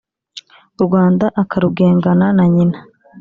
U Rwanda akarugengana na nyina